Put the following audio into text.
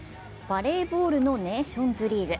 バレーボールのネーションズリーグ。